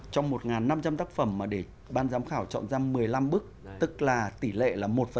trong một năm trăm linh tác phẩm mà để ban giám khảo chọn ra một mươi năm bức tức là tỷ lệ là một năm